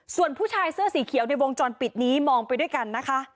ส่วนผู้ชายเสื้อสีเขียวในวงจรปิดนี้มองไปด้วยกันนะคะ